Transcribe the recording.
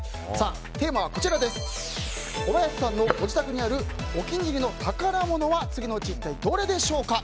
テーマは小林さんのご自宅にあるお気に入りの宝物は次のうちどれでしょうか。